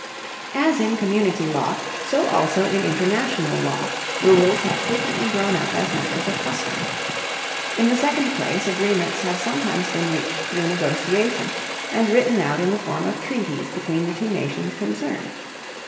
As in community law so also in international law rules have frequently grown up as matters of custom. In the second place agreements have sometimes been reached through negotiation and written out in the form of treaties between the two nations concerned.